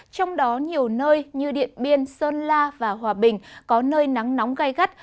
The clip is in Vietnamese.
trong đó nhiều nơi như điện biên sơn la và hòa bình có nơi nắng nóng gai gắt